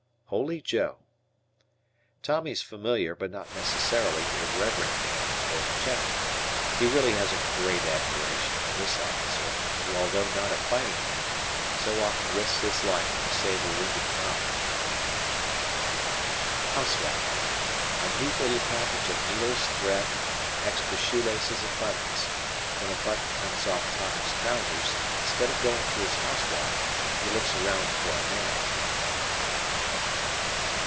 "Holy Joe." Tommy's familiar but not necessarily irreverent same for the Chaplain. He really has a great admiration for this officer, who although not a fighting man, so often risks his life to save a wounded Tommy. "Housewife." A neat little package of needles, thread, extra shoelaces, and buttons. When a button comes off Tommy's trousers, instead of going to his housewife he looks around for a nail.